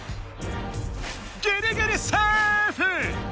ギリギリセーフ！